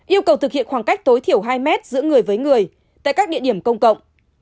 yêu cầu thực hiện khoảng cách tối thiểu hai mét giữa người với người tại các địa điểm công cộng